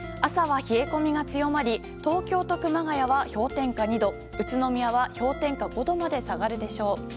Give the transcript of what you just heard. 朝は冷え込みが強まり東京と熊谷は氷点下２度宇都宮は氷点下５度まで下がるでしょう。